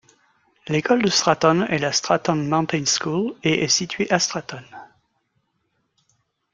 L’école de Stratton est la Stratton Mountain School et est située à Stratton.